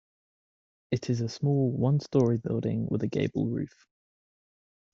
It is a small one story building with a gable roof.